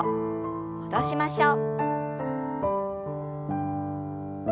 戻しましょう。